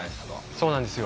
そうなんですよ。